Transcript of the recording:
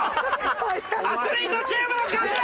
アスリートチームの勝ち！